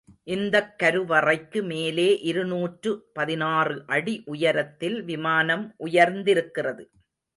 இந்தக் கருவறைக்கு மேலே இருநூற்று பதினாறு அடி உயரத்தில் விமானம் உயர்ந்திருக்கிறது.